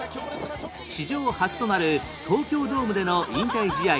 史上初となる東京ドームでの引退試合